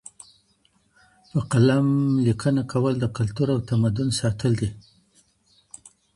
په قلم لیکنه کول د کلتور او تمدن ساتل دي.